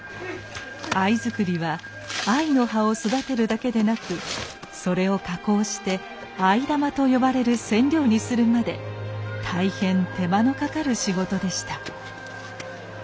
藍作りは藍の葉を育てるだけでなくそれを加工して藍玉と呼ばれる染料にするまで大変手間のかかる仕事でした。